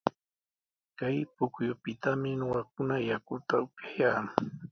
Kay pukyupitami ñuqakuna yakuta upuyaa.